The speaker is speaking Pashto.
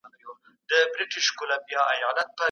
تولستوی د خپلو لیکنو په کیفیت کې ډېر زیات پام کاوه.